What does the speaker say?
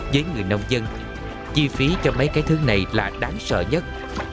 với người nông dân chi phí cho mấy cái thứ này là đáng sợ nhất